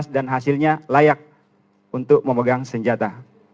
dan hasilnya layak untuk memegang senjata